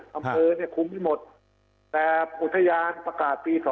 กำเนินคุมที่หมดแต่อุทยานประกาศปี๒๔